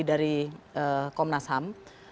dari komnas ham